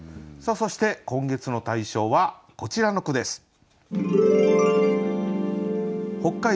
そして今月の大賞はこちらの句です。